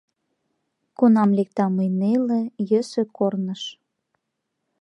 Кунам лектам мый неле, йӧсӧ корныш